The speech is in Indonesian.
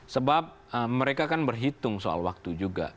sebab mereka kan berhitung soal waktu juga